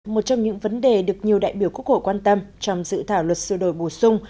một trong những vấn đề được nhiều đại biểu quốc hội quan tâm trong dự thảo luật sửa đổi bổ sung